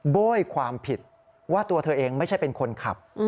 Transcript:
โบ้ยความผิดว่าตัวเธอเองไม่ใช่เป็นคนขับ